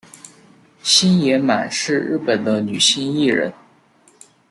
星野满是日本的女性艺人。